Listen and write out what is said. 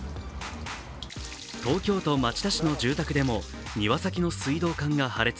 東京都町田市の住宅でも庭先の水道管が破裂。